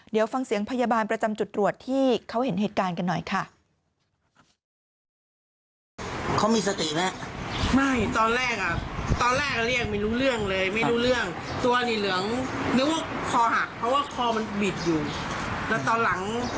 เดี๋ยวฟังเสียงพยาบาลประจำจุดตรวจที่เขาเห็นเหตุการณ์กันหน่อยค่ะ